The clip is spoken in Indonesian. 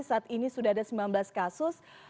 saat ini sudah ada sembilan belas kasus